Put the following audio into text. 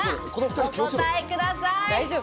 お答えください。